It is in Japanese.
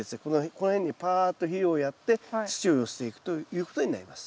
この辺にパーっと肥料をやって土を寄せていくということになります。